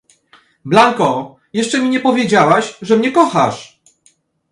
"Blanko, jeszcze mi nie powiedziałaś, że mnie kochasz."